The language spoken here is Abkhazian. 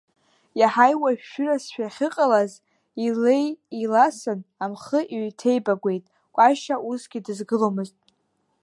Иаҳа иуашәшәыразшәа иахьыҟаз илеи иласын, амхы иҩҭеибагәеит, Кәашьа усгьы дызгыломызт.